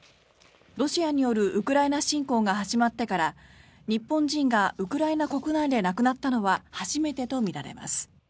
ロシアによるウクライナ侵攻が始まってから日本人がウクライナ国内で亡くなったのは初めてとみられます。